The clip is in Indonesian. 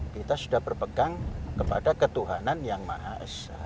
kita sudah berpegang kepada ketuhanan yang maha esat